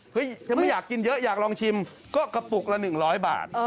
ฉันไม่อยากกินเยอะอยากลองชิมก็กระปุกละ๑๐๐บาท